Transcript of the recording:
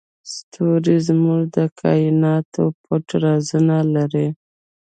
ستوري زموږ د کایناتو پټ رازونه لري.